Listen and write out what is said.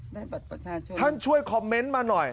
ได้บัตรประชาชนท่านช่วยคอมเมนต์มาหน่อย